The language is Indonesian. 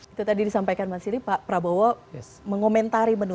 itu tadi disampaikan mas siri pak prabowo mengomentari menu